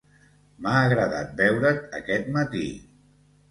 M'ha agradat veure't, aquest matí.